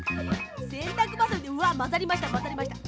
せんたくばさみでうわまざりましたまざりました。